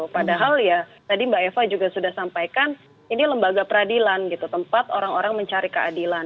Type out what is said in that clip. padahal ya tadi mbak eva juga sudah sampaikan ini lembaga peradilan gitu tempat orang orang mencari keadilan